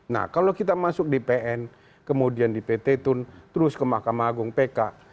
nah kalau kita masuk di pn kemudian di pt tun terus ke mahkamah agung pk